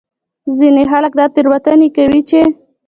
ځینې خلک دا تېروتنه کوي چې